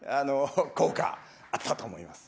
効果、あったと思います。